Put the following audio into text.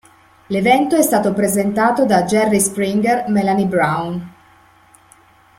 L'evento è stato presentato da Jerry Springer, Melanie Brown.